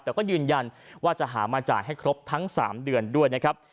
แต่ก็ยืนยันว่าจะหามาจ่ายให้ครบทั้ง๓เดือนด้วยนะครับ